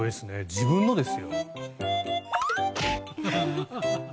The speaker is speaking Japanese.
自分のですよ。